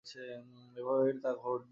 এভাবেই তা ঘটবে।